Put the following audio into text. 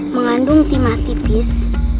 mengandung timah tipis